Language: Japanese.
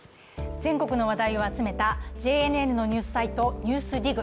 全国の話題を集めたＪＮＮのニュースサイト「ＮＥＷＳＤＩＧ」。